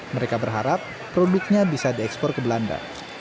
mereka berharap produknya bisa diekspor ke belanda